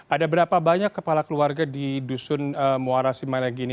ada berapa banyak kepala keluarga di dusun muara simalegi ini